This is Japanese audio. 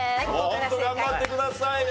ホント頑張ってくださいよ。